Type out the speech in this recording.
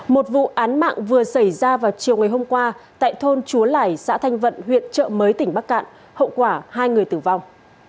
một vụ án mạng vừa xảy ra vào chiều ngày hôm qua tại thôn chúa lẻi xã thanh vận huyện trợ mới tỉnh bắc cạn hậu quả hai người tử vong